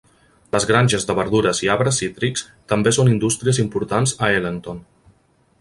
Les granges de verdures i arbres cítrics també són indústries importants a Ellenton.